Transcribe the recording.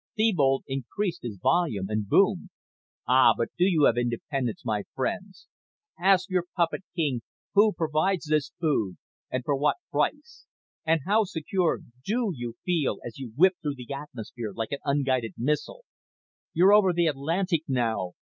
Thebold increased his volume and boomed: "Ah, but do you have independence, my friends? Ask your puppet king who provides this food and for what price? And how secure do you feel as you whip through the atmosphere like an unguided missile? You're over the Atlantic now.